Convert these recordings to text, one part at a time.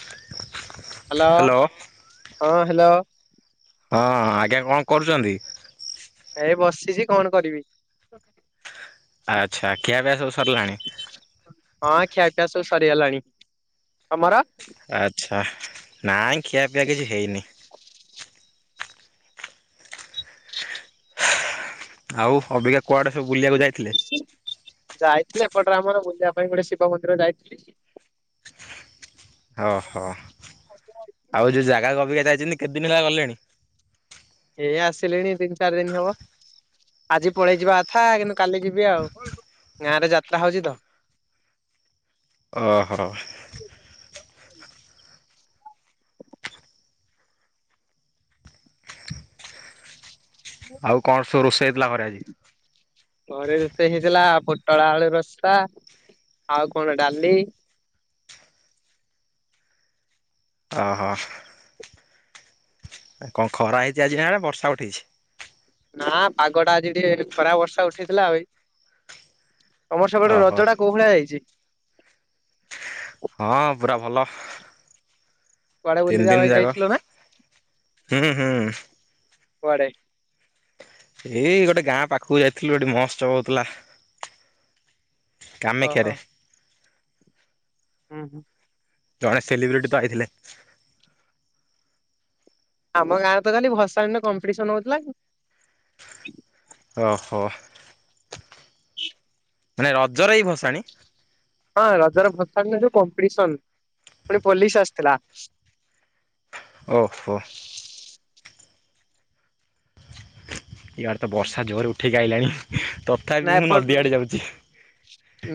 Hello hello ହଁ hello. ହଁ ଆଜ୍ଞା କଣ କରୁଛନ୍ତି? ଏ ବସିଛି କଣ କରିବି? ଆଚ୍ଛା ଖିଆ ପିଆ ସବୁ ସରିଲାଣି? ହଁ ଖିଆପିଆ ସବୁ ସରିଗଲାଣି ତମର? ଆଚ୍ଛା ନାଇଁ ଖିଆ ପିଆ କିଛି ହେଇନି। ଆଉ ଅବିକା କୁଆଡ଼େ ସବୁ ବୁଲିବାକୁ ଯାଇଥିଲେ? ଯାଇଥିଲେ ଏପଟେରେ ଆମର ବୁଲିବା ପାଇଁ ଗୋଟେ ଶିବ ମନ୍ଦିର ଯାଇଥିଲି। ଓହୋ ଆଉ ଯୋଉ ଜାଗା କବିକା ଯାଇଛନ୍ତି କେତେ ଦିନ ହେଲା ଗଲେଣି? ଏଇ ଆସିଲିଣି ତିିନି ଚାରି ଦିନ ହବ। ଆଜି ପଳେଇ ଯିବା କଥା କିନ୍ତୁ କାଲି ଯିବି ଆଉ ଗାଁ ରେ ଯାତ୍ରା ହଉଛି ତ। ଓହୋ [inaudible] ଆଉ କଣ ସବୁ ରୋଷେଇ ହେଇଥିଲା ଘରେ? ଘରେ ରୋଷେଇ ହେଇଥିଲା ପୋଟଳା ଆଳୁ ରସ୍ତା ଆଉ କଣ ଡାଲି ଓହୋ କଣ ଖରା ହେଇଛି ଆଜି ନା ବର୍ଷା ଉଠେଇଛି? ନା ପାଗଟା ଆଜି ଟିକେ ଖରା ବର୍ଷା ଉଠେଇଥିଲା ଭାଇ ତମର ସେପଟେ ଓହୋ ରଜଡା କୋଉ ଭଳିଆ ଯାଇଛି? ହଁ ପୁରା ଭଲ କୁଆଡେ ତିନି ବୁଲିବା ପାଇଁ ଦିନ ଯାକ। ଯାଇଥିଲ ନା ହୁଁ ହୁଁ। କୁଆଡେ? ଏଇ ଗୋଟେ ଗାଁ ପାଖକୁ ଯାଇଥିଲୁ ଗୋଟେ ମହୋତ୍ସବ ହଉଥିଲା। ଓହୋ କାମେକ୍ଷାରେ ହୁଁ ହୁଁ। ଜଣେ ସେଲିବ୍ରିଟି ତ ଆଇଥିଲେ। ଆମ ଗାଁରେ ତ ଖାଲି ଭସାଣିର କମ୍ପିଟିସନ ହଉଥିଲା। ଓହୋ। ମାନେ ରଜରେ ଏଇ ଭସାଣି? ହଁ ରଜର ଭସଣି ଯୋଉ କମ୍ପିଡ଼ିସନ ଫୁଣି ପୋଲିସ ଆସିଥିଲା। ଓହୋ। ଇଆଡ଼େ ତ ବର୍ଷା ଜୋରେ ଉଠେଇକି ଆଇଲାଣି ନା ତଥାପି ମୁଁ ଏପଟ ନଦୀଆଡ଼େ ଯାଉଛି।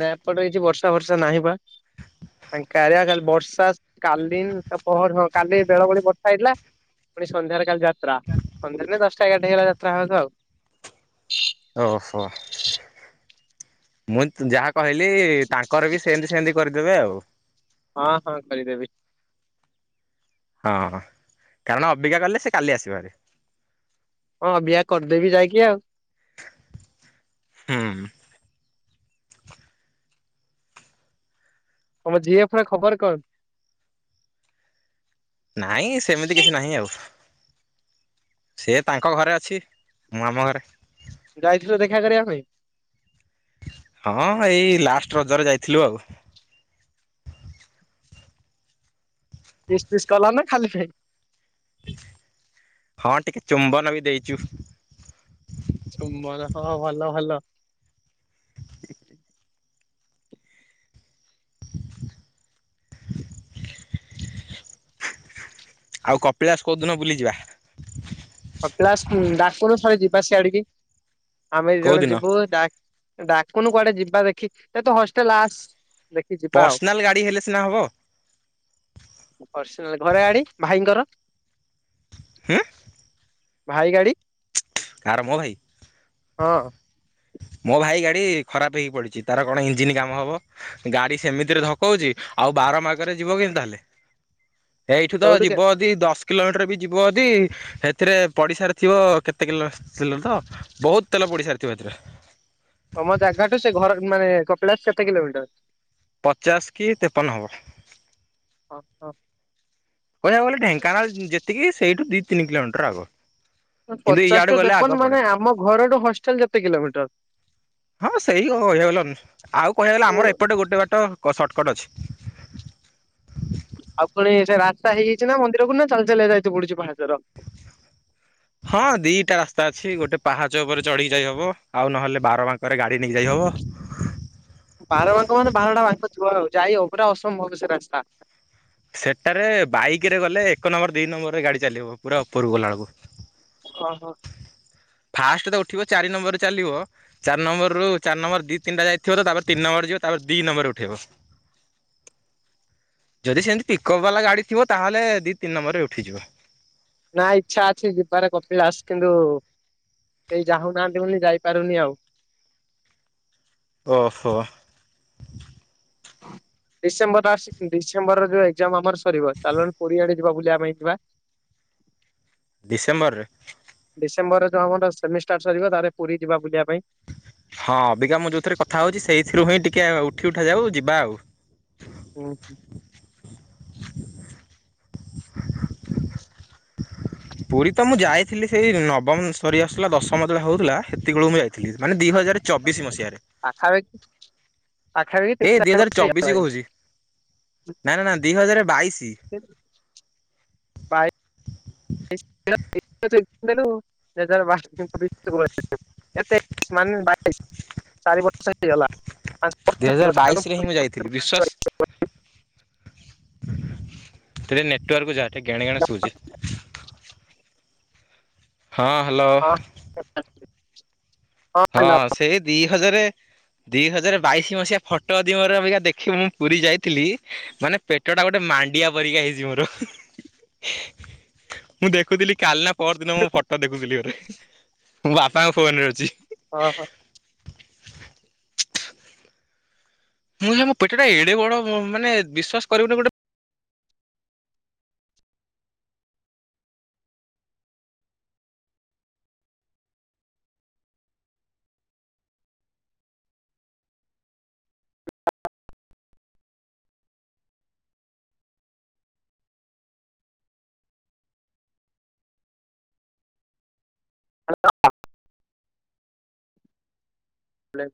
ନା ଏପଟେ କିଛି ବର୍ଷା ଫର୍ଷା ନାହିଁ ବା। ଆକାରିଆ କାଲି ବର୍ଷା କାଲିି ତା ପହର ଦିନ କାଲି ବେଳବେଳେ ବର୍ଷା ହେଇଥିଲା। ପୁଣି ସନ୍ଧ୍ୟାରେ କାଲି ଯାତ୍ରା ସନ୍ଧ୍ୟାରେ ଦଶଟା ଏଗାରଟା ହେଇଗଲା ଯାତ୍ରା ହେବାକୁ ଆଉ। [inaudible] ଓହୋ ମୁଁ ଯାହା କହିଲି ତାଙ୍କର ବି ସେମତି ସେମତି କରିଦେବେ ଆଉ। ହଁ ହଁ କରିଦେବି। ହଁଁ କାରଣ ଅବିକା କଲେ ସେ କାଲି ଆସିବ ହାରି। ହଁ ଅବିକା କରିଦେବି ଯାଇକି ଆଉ। ହୁଁ। ତମ ଜି ଏଫ ର ଖବର କଣ? ନାଇଁ ସେମିତି କିଛି ନାହିଁ ଆଉ। ସେ ତାଙ୍କ ଘରେ ଅଛି ମୁଁ ଆମ ଘରେ। ଯାଇଥିଲୁ ଦେଖା କରିବା ପାଇଁ? ହଁ ଏଇ ଲାଷ୍ଟ ରଜରେ ଯାଇଥିଲୁ ଆଉ। କିସ୍ ପିସ୍ କଲା ନା ଖାଲି ପାଇଁ? ହଁ ଟିକେ ଚୁମ୍ବନ ବି ଦେଇଛୁ। ଚୁମ୍ବନ ହଁ ଭଲ ଭଲ। [unintelligible] ଆଉ କପିଳାସ କୋଉ ଦିନ ବୁଲି ଯିବା? କପ୍ଲାସ ଉଁ ଡାକୁନୁ ଥରେ ଯିବା ସିଆଡିକି ଆମେ ଦି କୋଉ ଜଣ ଦିନ? ଯିବୁ ଡାକ ଡାକୁନୁ କୁଆଡେ ଯିବା ଦେଖି ଏ ତୁ ହଷ୍ଟେଲ ଆସ ଦେଖ ପର୍ସନାଲ ଗାଡି ହେଲେ ସିନା ହବ। ପର୍ସନାଲ ଘରେ ଗାଡି ଭାଇଙ୍କର। ହଁ। ଭାଇ ଗାଡି କାହାର ମୋ ଭାଇ ହଁ। ମୋ ଭାଇ ଗାଡି ଖରାପ ହେଇି ପଡିଛି ତାର କଣ ଇଞ୍ଜିିନ କାମ ହବ। ଗାଡି ସେମିତିରେ ଧକଉଛି ଆଉ ବାର ମାଗରେ ଯିବ କେମିତି ତାହେଲେ ଏଇଠୁ ତ ସେଇଠୁ କେ ଯିବ ଯଦି ଦଶ କିଲୋମିଟର ବି ଯିବ ଯଦି ହେଥିରେ ପଡ଼ିଶାରେ ଥିବ କେତେ କିଲୋ କିଲ ତ ବହୁତ ତେଲ ପଡି ସାରିଥିବ ହେଥିରେ ତମ ଜାଗାଠୁ ସେ ଘର ମାନେ କପିଳାସ କେତେ କିଲୋମିଟର? ପଚାଶ କି ତେପନ ହେବ। ହଁ ହଁ। କହିବାକୁ ଗଲେ ଢେଙ୍କାନାଳ ଯେତିକି ସେଇଠୁ ଦିଇ ତିନି କିଲୋମିଟର ଆଗ। କିନ୍ତୁ ପଚାଶ ଇଆଡ଼େ ଟୁ ଗଲେ ଆଗ ତେପନ ପଡ଼େ ମାନେ ଆମ ଘରଠୁ ହଷ୍ଟେଲ କେତେ କିଲୋମିଟର? ହଁ ସେଇ କଆଗଲା ଆଉ କହିବାଆ ଗଲା ଉଁ ଆମର ଏପଟେ ଗୋଟେ ବାଟ ସର୍ଟକଟ ଅଛି ଆଉ ପୁଣି ସେ ରାସ୍ତା ହେଇଯାଇଛି ନା ମନ୍ଦିର କ ନା ଚାଲି ଚାଲି ଯାଇତ ପଡୁଛି ପାହାଚର ହଁ ଦିଟା ରାସ୍ତା ଅଛି ଗୋଟେ ପାହାଚ ଉପରେ ଚଢିକି ଯାଇ ହବ ଆଉ ନହେଲେ ବାର ମାଙ୍କରେ ଗାଡି ନେଇ ଯାଇ ହବ ବାର ମାଙ୍କ ମାନେ ବାରଟା ବାଙ୍କ ଥିବ ଆଉ ଯାଇ ପୁରା ଅସମ୍ଭବ ସେ ରାସ୍ତା ସେଠାରେ ବାଇକ ରେ ଗଲେ ଏକ ନମ୍ବର ଦିଇ ନମ୍ବର ରେ ଗାଡି ଚାଲିିବ ପୁରା ଉପରକୁ ଗଲା ବେଳକୁ ହଁ ହଁ ଫାଷ୍ଟ ତ ଉଠିବ ଚାରି ନମ୍ବର ରେ ଚାଲିବ ଚାର ନମ୍ବରରୁ ଚାରିମ୍ର ଦି ତିନିା ଯାଇଥିବ ତ ତାପରେ ତିନ ନମ୍ବର ଯିବ ତାପ ଦି ନମ୍ବରରେ ଉେଇବ [unintelligible] ଯଦି ସେମିତି ପିକଅପ୍ ବାଲା ଗାଡ଼ି ଥିବ ତାହେଲେ ଦୁଇ ତିନି ନମ୍ବରେ ଉିଯିବ ନା ଇଚ୍ଛା ଅଛି ଯିବାରେ କପିଳା ଦାସ କିନ୍ତୁ ସେଇ ଚାହୁଁନାହାନ୍ତି ବୋଲି ଯାଇପାରୁନି ଆଉ ଓହୋ ଡିସେମ୍ବର ଡିସେମ୍ବର ଯୋଉ ଏଜାମ ଆମର ସରିବ ଚା ପଆଡ ଯିବା ବୁଲିବା ପାଇଁ ଯିବା ଡିସେମ୍ବର ରେ ଡିସେମ୍ବରରେ ଯୋ ଆମର ସେିଷ୍ଟାର୍ଟ ସରିବ ତାର ପୁରୀ ଯିବା ବୁଲିବା ପାଇଁ ହଁ ଅବିକା ମଁ ଯେଉଁଥିରେ କଥା ହେଉଛି ସେଇଥିରୁ ହିଁ ଟିକିେ ଉଠି ଉଠାଯାଉ ଯିବା ଆଉ ଓ ହ ପୁରୀ ତ ମୁଁ ଯାଇଥିଲି ସେଇ ନବମ ସରି ଆସୁଥିଲା ଦଶମ ତେବେଳେ ହଉଥିଲା ସେତିକେଳକୁ ମୁଁ ଯାଇଥିଲି ମାନେ ଦି ହଜାର ଚବିଶି ମସିହାରେ ପାଖାପାଖି ପାଖାପାଖି ଏ ଦି ତିନିଟ ନାଇଁ ନା ନା ଦୁଇ ହଜାର ବାଇଶି ବାଏ [unintelligible] ଏତେଇଶ ମାନେ ବାଇଶ ଚାରି ବର୍ଷ ହେଇଗଲା ବର୍ଷ ଦୁଇ ହଜାର ହେଇଗଲା ବାଇଶ ରେ ହିଁ ମୁଁ ଯାଇଥିଲି ବିଶ୍ଵାସ ଟେ ନେଟୱାର୍କ ଯାହାେ କେଣେ କେଣ ଶୁଉଛି ହଁ ହ୍ୟାଲୋ ହଁ ହଁ ସେଇ ଦି ହଜାର ଦି ହଜାର ବାଇଶି ମସିହା ଫଟୋ ଅ ଦିମରେିକା ଦେଖିବ ମୁଁ ପୁରୀ ଯାଇଥିଲି ମାନେ ପେଟ ଟା ଗୋଟେ ମାଣ୍ଡିଆ ପରିକା ହେଇଛି ମୋର ମୁଁ ଦେଖୁଥିଲି କାଲନା ପରଦିନ ମୁଁ ଫଟୋ ଦେଖୁଥିଲି ଗୋଟରେ ମୋ ବାପାଙ୍କ ଫୋନ ରେ ଅଛି ହଁ ହଁ ମୁଁ ମୋ ପେଟା ଟା ଏଡେ ବଡ ମାନେ ବିଶ୍ାସ କରିବୁନି ଗୋଟେ ହ ପଲେ